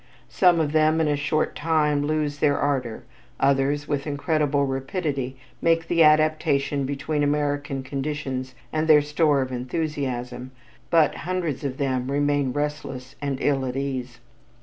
Some of them in a short time lose their ardor, others with incredible rapidity make the adaptation between American conditions and their store of enthusiasm, but hundreds of them remain restless and ill at ease.